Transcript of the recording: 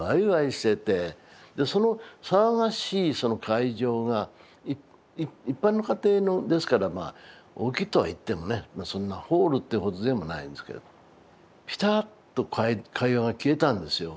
その騒がしいその会場が一般の家庭のですからまあ大きいとはいってもねそんなホールってほどでもないんですけどピタッと会話が消えたんですよ。